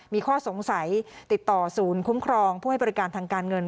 มีข้อสงสัยติดต่อศูนย์คุ้มครองผู้ให้บริการทางการเงิน